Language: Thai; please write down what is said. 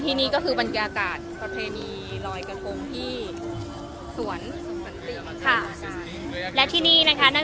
และนี่ก็คือบรรยากาศของการลอยกระทงแม่น้ำเจ้าพยาคุณภาคแปลย์ที่หยุดที่มั่นซ้ำนะครับ